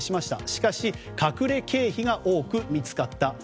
しかし、隠れ経費が多く見つかった。